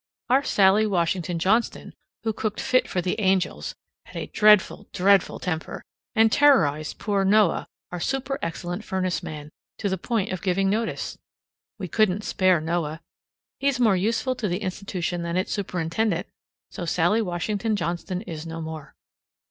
Our Sallie Washington Johnston, who cooked fit for the angels had a dreadful, dreadful temper and terrorized poor Noah, our super excellent furnace man, to the point of giving notice. We couldn't spare Noah. He's more useful to the institution than its superintendent, and so Sallie Washington Johnston is no more.